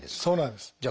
そうなんです。